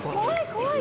怖い！